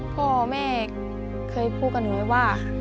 พ่อแม่เคยพูดกับหนูไว้ว่า